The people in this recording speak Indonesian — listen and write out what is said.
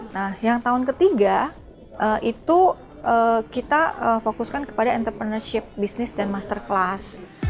nah yang tahun ketiga itu kita fokuskan kepada entrepreneurship bisnis dan master class